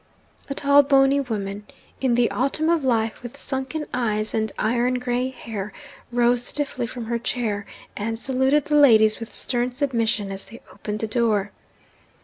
A tall bony woman, in the autumn of life, with sunken eyes and iron grey hair, rose stiffly from her chair, and saluted the ladies with stern submission as they opened the door.